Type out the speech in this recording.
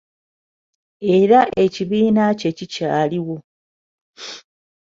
Era ekibiina kye kikyaliwo.